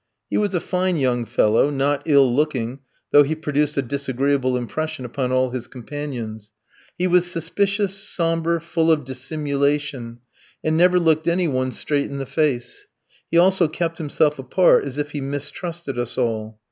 He was a fine young fellow, not ill looking, though he produced a disagreeable impression upon all his companions; he was suspicious, sombre, full of dissimulation, and never looked any one straight in the face; he also kept himself apart as if he mistrusted us all.